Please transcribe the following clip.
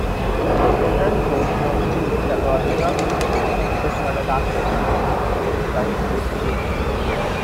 The fertile plain surrounding Lake Alaotra is Madagascar's most important rice-producing region.